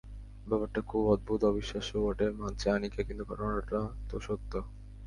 ব্যাপারটা খুব অদ্ভুত, অবিশ্বাস্যও বটে, মানছে আনিকা, কিন্তু ঘটনাটা তো সত্য।